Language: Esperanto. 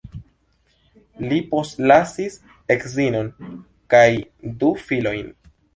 Li postlasis edzinon kaj du filojn.